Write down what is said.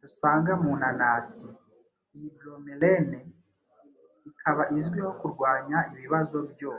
dunsanga mu nanasi. Iyi bromelain ikaba izwiho kurwanya ibibazo byo